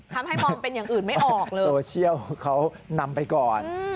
ทำให้มองเป็นอย่างอื่นไม่ออกเลยโซเชียลเขานำไปก่อน